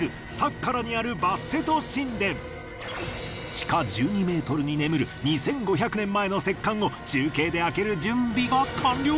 地下１２ｍに眠る２５００年前の石棺を中継で開ける準備が完了！